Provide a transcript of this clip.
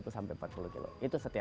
itu setiap hari kita belanja